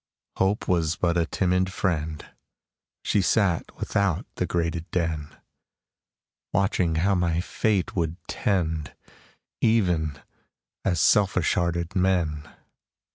Hope Was but a timid friend; She sat without the grated den, Watching how my fate would tend, Even as selfish hearted men.